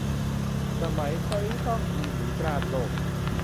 สมัยนี้ต้องอีหมีกร้านโลก